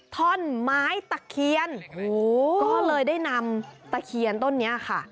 ท่อนไม้ตะเคียนโอ้โหก็เลยได้นำตะเคียนต้นนี้ค่ะ